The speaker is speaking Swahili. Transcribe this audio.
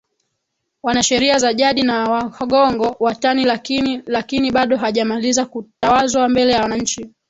Wanasheria za jadi na Waghongo Watani lakini lakini bado hajamaliza kutawazwa mbele ya wananchi